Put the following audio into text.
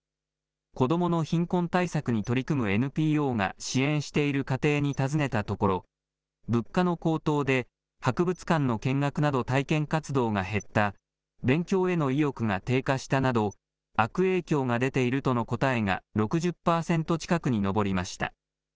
子どもの貧困対策に取り組むＮＰＯが支援している家庭に尋ねたところ、物価の高騰で博物館の見学など体験活動が減った、勉強への意欲が低下したなど、悪影響が出ているとの答えが６０％近くに上りました。